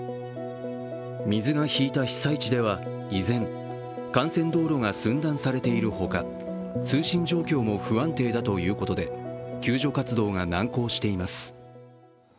水が引いた被災地では依然、幹線道路が寸断されているほか通信状況も不安定だということで救助活動が難航しています。